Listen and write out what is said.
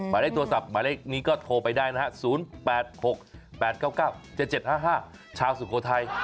หมายเลขโทรศัพท์หมายเลขนี้ก็โทรไปได้นะฮะ๐๘๖๘๙๙๗๗๕๕ชาวสุโขทัย